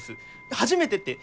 「初めて」って。